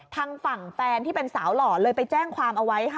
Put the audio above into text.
ทางฝั่งแฟนที่เป็นสาวหล่อเลยไปแจ้งความเอาไว้ค่ะ